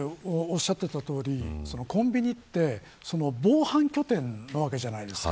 おっしゃっていたとおりコンビニは防犯拠点なわけじゃないですか。